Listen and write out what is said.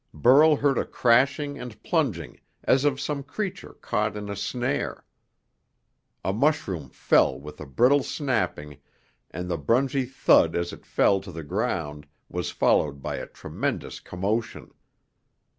Burl heard a crashing and plunging as of some creature caught in a snare. A mushroom fell with a brittle snapping, and the spongy thud as it fell to the ground was followed by a tremendous commotion.